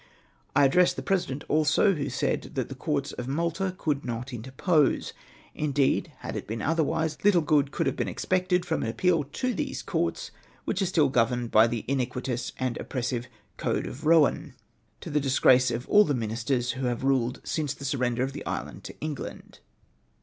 I addressed the President also, who said, that the Courts of IMalta could not interpose. Indeed, had it been otherwise, little good could have been expected from an appeal to these Courts, which are still governed by the iniquitious and oppressive code of Rhoan, to the disgrace of all the ministers who have ruled since the sui'render of the island to England.